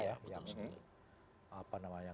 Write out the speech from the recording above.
ya betul sekali